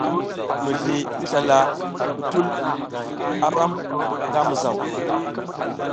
Mizli ngi sla bitul a ram nga mizaw.